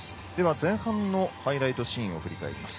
前半のハイライトシーンを振り返ります。